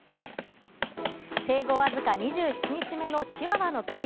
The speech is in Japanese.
生後わずか２７日目のチワワの子犬。